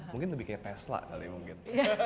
mungkin lebih kayak tesla kali mungkin